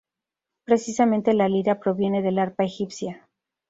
Precisamente la lira proviene del arpa egipcia.